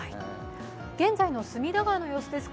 現在の隅田川の様子です。